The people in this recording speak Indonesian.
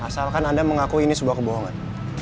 asalkan anda mengaku ini sebuah kebohongan